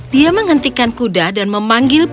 dia menghentikan kuda dan memanggil